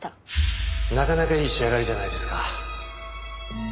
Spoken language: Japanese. なかなかいい仕上がりじゃないですか。